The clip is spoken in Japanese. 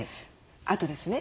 あとですね